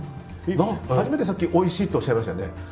初めて、さっきおいしいとおっしゃいましたよね。